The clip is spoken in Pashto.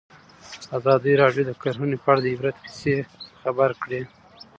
ازادي راډیو د کرهنه په اړه د عبرت کیسې خبر کړي.